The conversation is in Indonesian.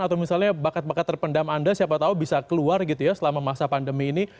atau misalnya bakat bakat terpendam anda siapa tahu bisa keluar gitu ya selama masa pandemi ini